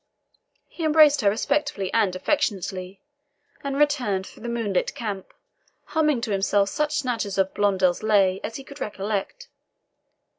He embraced her respectfully and affectionately, and returned through the moonlit camp, humming to himself such snatches of Blondel's lay as he could recollect.